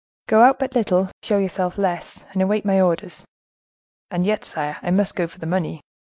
"Go out but little, show yourself less, and await my orders." "And yet, sire, I must go for the money."